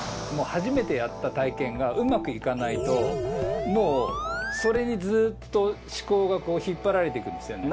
はじめてやった体験がうまくいかないともうそれにずっと思考が引っぱられていくんですよね。